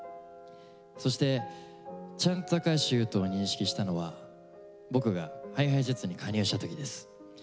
そしてちゃんと橋優斗を認識したのは僕がＨｉＨｉＪｅｔｓに加入した時です。